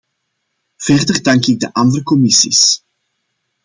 Verder dank ik de andere commissies.